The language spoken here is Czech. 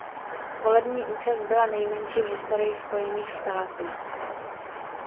Volební účast byla nejmenší v historii Spojených států.